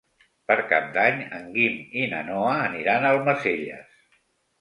Per Cap d'Any en Guim i na Noa aniran a Almacelles.